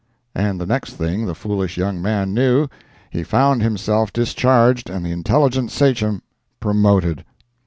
And the next thing the foolish young man knew, he found himself discharged and the intelligent sachem promoted.